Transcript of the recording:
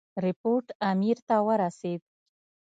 رپوټ امیر ته ورسېد.